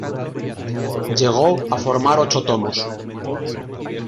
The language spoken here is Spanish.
Llegó a formar ocho tomos.